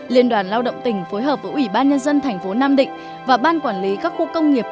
liên đoàn lao động tỉnh phối hợp với ủy ban nhân dân thành phố nam định và ban quản lý các khu công nghiệp